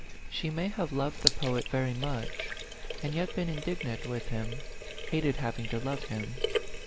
She may have loved the poet very much, and yet been indignant with him, hated having to love him.